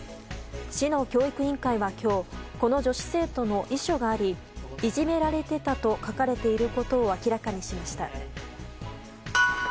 市の教育委員会は、今日この女子生徒の遺書がありいじめられてたと書かれていることを明らかにしました。